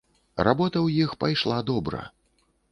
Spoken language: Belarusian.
Работа ў іх пайшла добра.